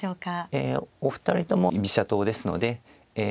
えお二人とも居飛車党ですのでえ